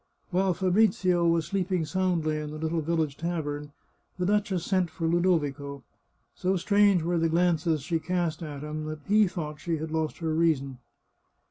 While Fabrizio was sleeping soundly in the little village tavern, the duchess sent for Ludovico. So strange were the glances she cast at him that he thought she had lost her reason.